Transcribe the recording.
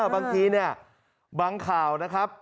บางทีเนี่ยบางข่าวนะครับ